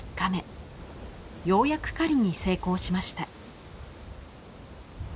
ようやく狩りに成功しました。